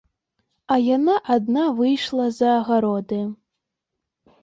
А яна адна выйшла за агароды.